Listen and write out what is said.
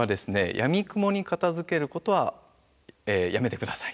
やみくもに片づけることはやめて下さい。